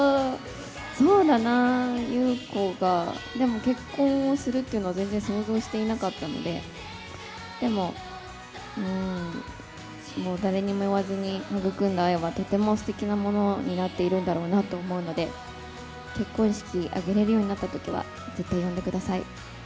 そうだな、優子がでも結婚をするっていうのは、全然想像をしていなかったので、でも、誰にも言わずに育んだ愛はとてもすてきなものになっているんだろうなと思うので、結婚式挙げれるようになったときは、絶対呼んでください。